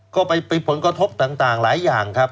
ก็ไปผลกระทบต่างหลายอย่างครับ